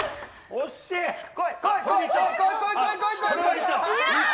惜しい！